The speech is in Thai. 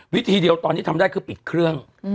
วิธีเดียวตอนที่ทำได้คือปิดเครื่อง